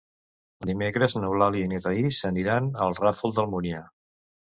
Dimecres n'Eulàlia i na Thaís aniran al Ràfol d'Almúnia.